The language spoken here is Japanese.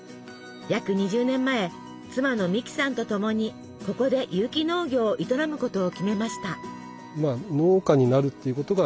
約２０年前妻の美木さんとともにここで有機農業を営むことを決めました。